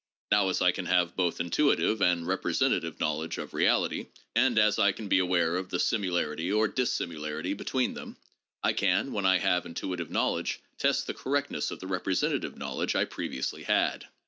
Now as I can have both intuitive and representative knowledge of reality, and as I can be aware of the similarity or dissimilarity between them, I can, when I have intu itive knowledge, test the correctness of the representative knowl edge I previously had.